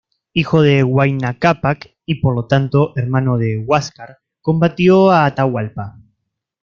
Hijo de Huayna Cápac y por lo tanto, hermano de Huáscar, combatió a Atahualpa.